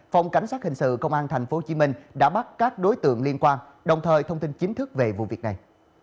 phòng cảnh sát hình sự công an tp hcm đã bắt các đối tượng liên quan đồng thời thông tin chính thức về vụ việc này